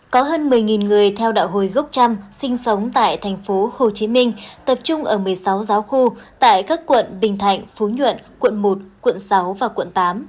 có hơn một mươi người theo đạo hồi gốc trăm sinh sống tại thành phố hồ chí minh tập trung ở một mươi sáu giáo khu tại các quận bình thạnh phú nhuận quận một quận sáu và quận tám